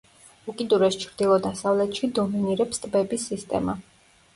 უკიდურეს ჩრდილო-დასავლეთში დომინირებს ტბების სისტემა.